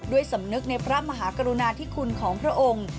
สำนึกในพระมหากรุณาธิคุณของพระองค์